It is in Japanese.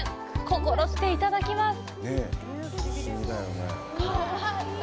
心していただきます！